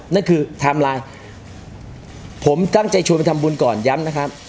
นั่นคือไทม์ไลน์ผมตั้งใจชวนไปทำบุญก่อนย้ำนะครับ